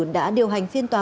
đã điều hành phiên tòa